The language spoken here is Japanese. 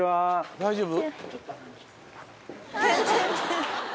大丈夫？